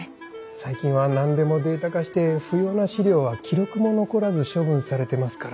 最近は何でもデータ化して不要な資料は記録も残らず処分されてますから。